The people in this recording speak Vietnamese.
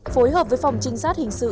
phối hợp với phòng trinh sát hình sự